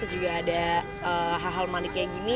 terus juga ada hal hal manik kayak gini